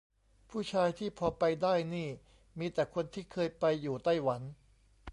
ผู้ชายที่พอไปได้นี่มีแต่คนที่เคยไปอยู่ไต้หวัน